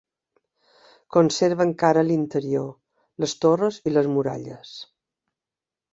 Conserva encara l'interior, les torres i les muralles.